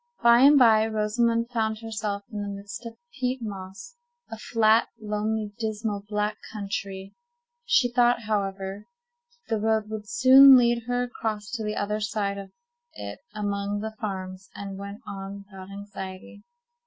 By and by, Rosamond found herself in the midst of a peat moss—a flat, lonely, dismal, black country. She thought, however, that the road would soon lead her across to the other side of it among the farms, and went on without anxiety.